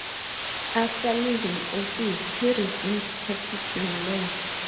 After leaving office he resumed practicing law.